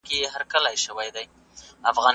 تاسي په خپلو جامو کي پاکوالی ساتئ.